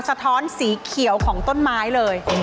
สะท้อนสีเขียวของต้นไม้เลย